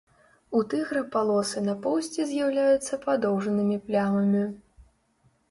У тыгра палосы на поўсці з'яўляюцца падоўжанымі плямамі.